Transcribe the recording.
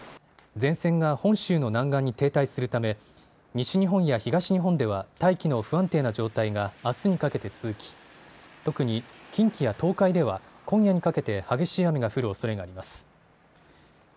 前線が本州の南岸に停滞するため西日本や東日本では大気の不安定な状態があすにかけて続き特に近畿や東海では今夜にかけて激しい雨が降るおそれがあります。